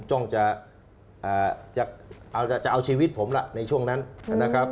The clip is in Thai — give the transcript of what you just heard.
จะเอาชีวิตผมล่ะในช่วงนั้นนะครับ